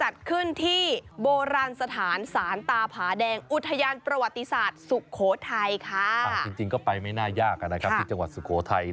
สุโขทัยค่ะจริงก็ไปไม่น่ายากนะครับที่จังหวัดสุโขทัย